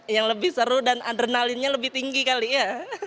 yang lebih seru dan adrenalinnya lebih tinggi kali ya